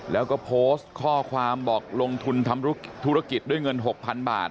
แล้วก็โพสต์ข้อความบอกลงทุนทำธุรกิจด้วยเงิน๖๐๐๐บาท